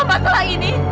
gara gara masalah ini